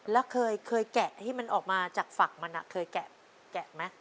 แล้วเคยแกะให้มันออกมาจากฝักมันเคยแกะไหม